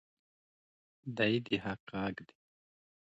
دی د حق غږ دی.